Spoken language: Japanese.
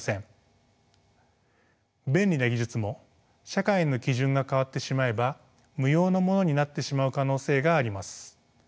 便利な技術も社会の基準が変わってしまえば無用のものになってしまう可能性があります。